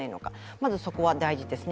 まずそこは大事ですね。